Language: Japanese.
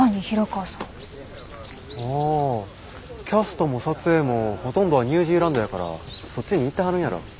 キャストも撮影もほとんどはニュージーランドやからそっちに行ってはるんやろ。